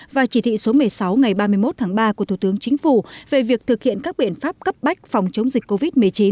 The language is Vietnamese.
và chỉ thị số một mươi sáu ngày ba mươi một tháng ba của thủ tướng chính phủ về việc thực hiện các biện pháp cấp bách phòng chống dịch covid một mươi chín